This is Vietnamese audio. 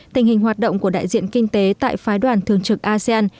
tình hình hoạt động của đại diện kinh tế tại phái đoàn thường trực asean